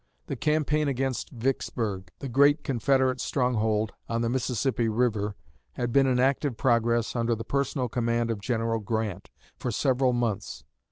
The campaign against Vicksburg, the great Confederate stronghold on the Mississippi river, had been in active progress, under the personal command of General Grant, for several months.